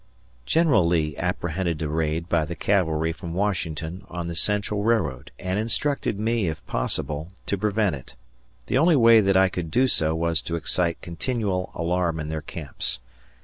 General Lee apprehended a raid by the cavalry from Washington on the Central Railroad, and instructed me, if possible, to prevent it. The only way that I could do so was to excite continual alarm in their camps.